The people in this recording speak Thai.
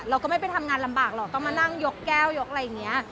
เราก็ไม่ไปทำงานลำบากหรอกก็มานั่งยกแก้วยกอะไรอย่างนี้